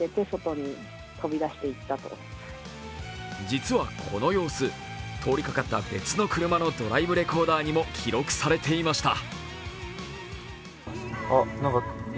実は、この様子、通りかかった別の車のドライブレコーダーにも記録されていました。